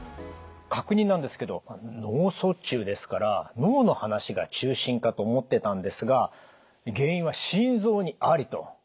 確認なんですけど脳卒中ですから脳の話が中心かと思ってたんですが「原因は心臓にあり！」と。